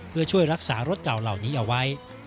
เพื่อช่วยรักษารถเก่าเหล่านี้เอาไว้